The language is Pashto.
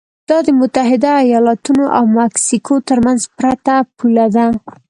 دا د متحده ایالتونو او مکسیکو ترمنځ پرته پوله ده.